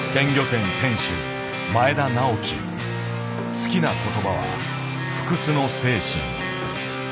好きな言葉は「不屈の精神」。